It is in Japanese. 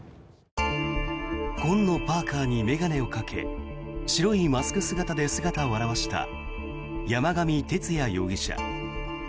紺のパーカに眼鏡をかけ白いマスク姿で姿を現した山上徹也容疑者。